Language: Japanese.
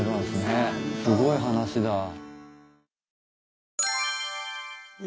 すごい話だ。